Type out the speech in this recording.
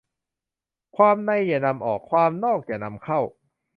ความในอย่านำออก ความนอกอย่านำเข้า